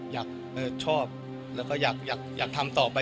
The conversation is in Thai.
อยากชอบแล้วก็อยากทำต่อไป